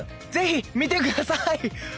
ぜひ見てください！